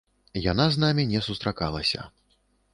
Яна з намі не сустракалася.